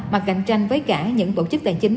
mà cạnh tranh với cả những tổ chức tài chính